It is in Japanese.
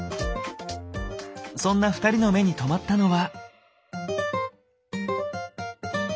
そんな２人の目に留まったのは。